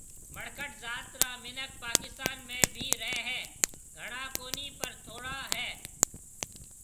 مڙکٽ ذات را مِنک پاڪستان ۾ بهيَ رهيَ هيَ گھڻا ڪونِي پر ٿوڙا هيَ